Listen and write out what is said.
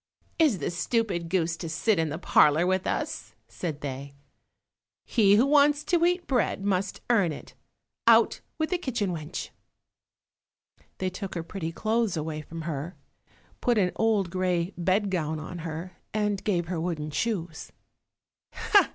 "Is the stupid goose to sit in the parlour with us?" said they. "He who wants to eat bread must earn it; out with the kitchen wench." They took her pretty clothes away from her, put an old grey bedgown on her, and gave her wooden shoes.